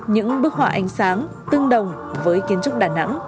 những bức họa ánh sáng tương đồng với kiến trúc đà nẵng